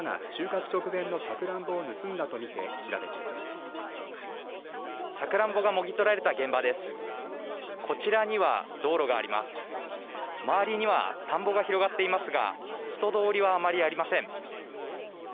周りには田んぼが広がっていますが人通りはあまりありません。